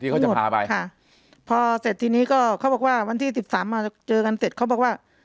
เขาจะพาไปค่ะพอเสร็จทีนี้ก็เขาบอกว่าวันที่สิบสามมาเจอกันเสร็จเขาบอกว่า